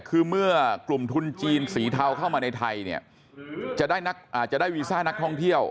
คือเมื่อกลุ่มทุนจีนสีเทาเข้ามาในไทยเนี่ยจะได้วีซ่านักท่องเที่ยว